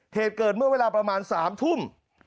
เหตุเกิดเมื่อเวลาประมาณ๓ทุ่ม